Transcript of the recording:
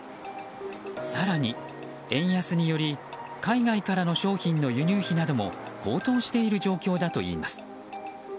更に円安により海外からの商品の輸入費なども高騰している状況だといいます。